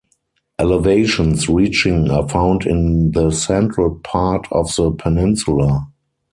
Elevations reaching are found in the central part of the peninsula.